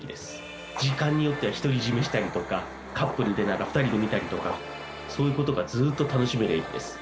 時間によっては一人占めしたりとかカップルでなら２人で見たりとかそういう事がずーっと楽しめる駅です。